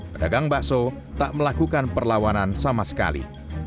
pedagang bakso tak melakukan perlawanan sama sekali